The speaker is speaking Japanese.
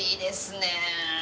ねえ。